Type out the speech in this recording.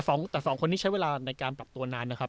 เออว่ะแต่๒คนนี้ใช้เวลาในการปรับตัวนานนะครับ